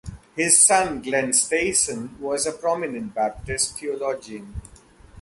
His son Glen Stassen was a prominent Baptist theologian.